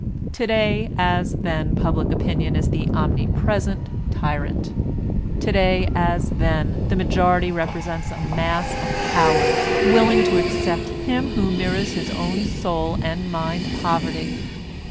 Today, as then, public opinion is the omnipresent tyrant; today, as then, the majority represents a mass of cowards, willing to accept him who mirrors its own soul and mind poverty.